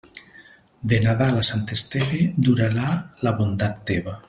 De Nadal a Sant Esteve durarà la bondat teva.